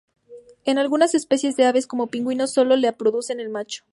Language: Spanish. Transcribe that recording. En algunas especies de aves como pingüinos, solo la produce el macho.